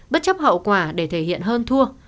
bất chấp hậu quả để thể hiện hơn thua